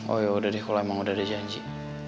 oh yaudah deh kalau emang udah ada janji